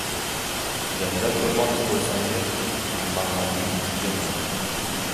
• Janjal ko‘rmoqchi bo‘lsangiz kambag‘alning uyiga boring.